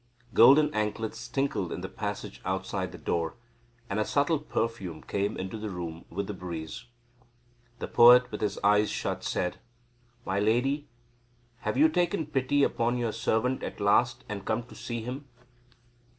Golden anklets tinkled in the passage outside the door, and a subtle perfume came into the room with the breeze. The poet, with his eyes shut, said; "My lady, have you taken pity upon your servant at last and come to see him?"